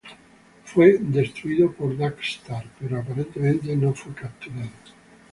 Fue destruido por Darkstar, pero aparentemente no fue capturado.